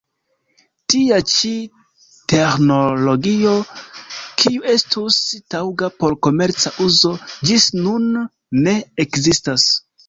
Tia ĉi teĥnologio, kiu estus taŭga por komerca uzo, ĝis nun ne ekzistas.